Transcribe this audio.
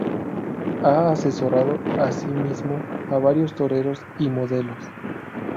Ha asesorado asimismo a varios toreros y modelos.